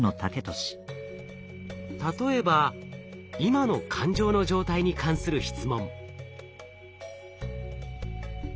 例えば今の感情の状態に関する質問。